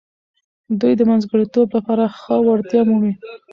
دوی د منځګړیتوب لپاره ښه وړتیا مومي.